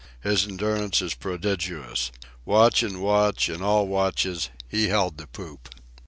His endurance is prodigious. Watch and watch, and all watches, he held the poop.